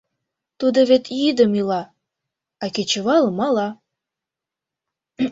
Тудо вет йӱдым ила, а кечывалым мала.